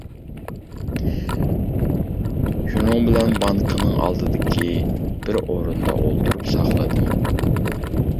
شۇنىڭ بىلەن بانكىنىڭ ئالدىدىكى بىر ئورۇندا ئولتۇرۇپ ساقلىدىم.